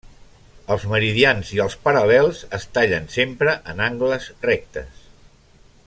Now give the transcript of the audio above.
Els meridians i els paral·lels es tallen sempre en angles rectes.